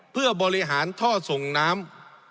เพื่อบริหารท่อส่งน้ำ